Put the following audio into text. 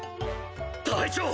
隊長！